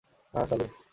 আহ, সালি!